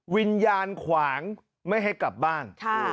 วิญญาณขวางไม่ให้กลับบ้าน